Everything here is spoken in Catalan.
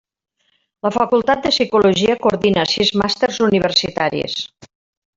La Facultat de Psicologia coordina sis màsters universitaris.